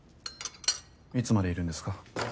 いつまでいるんですか？